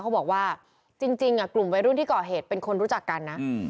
เขาบอกว่าจริงกลุ่มวัยรุ่นที่ก่อเหตุเป็นคนรู้จักกันนะ